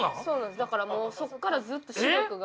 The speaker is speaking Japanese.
だからもうそこからずっと視力が。